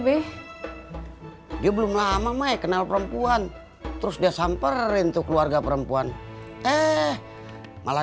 beh dia belum lama mai kenal perempuan terus dia samperin tuh keluarga perempuan eh malah